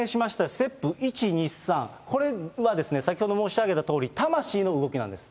ステップ１、２、３、これは先ほど申し上げたとおり、魂の動きなんです。